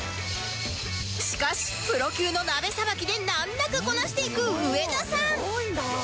しかしプロ級の鍋さばきで難なくこなしていく上田さん！